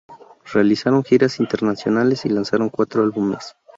Realizaron giras internacionales y lanzaron cuatro álbumes.